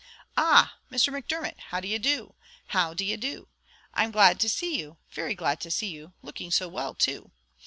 "Ah! Mr. Macdermot, how do you do how d'ye do? I'm glad to see you very glad to see you looking so well too.